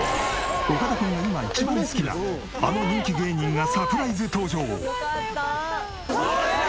岡田君が今一番好きなあの人気芸人がサプライズ登場！